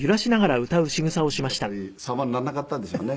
もうやっぱり様にならなかったんでしょうね。